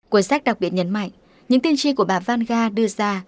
cuốn sách đặc biệt nhấn mạnh những tiên tri của bà vanga đưa ra